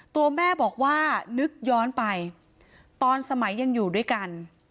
ตัวแม่บอกว่านึกย้อนไปตอนสมัยยังอยู่ด้วยกัน